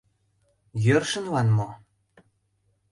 Йӧршынлан мо?